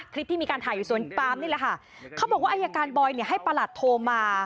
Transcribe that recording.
ที่มีการถ่ายอยู่สวนปามนี่แหละค่ะเขาบอกว่าอายการบอยเนี่ยให้ประหลัดโทรมา